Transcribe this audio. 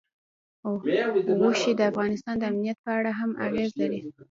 غوښې د افغانستان د امنیت په اړه هم اغېز لري.